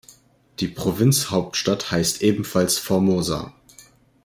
Die Provinzhauptstadt heißt ebenfalls Formosa.